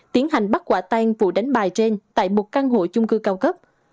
tiến hành bắt quả tan vụ đánh bài trên tại một căn hộ chung cư cao cấp